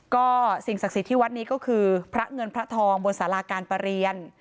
ก็สิ่งศักดิ์สิทธิ์ที่วัดนี้ก็คือพระเงินพระทองบนสาราการประเรียน